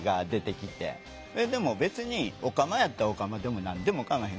でも別にオカマやったらオカマでも何でもかまへん。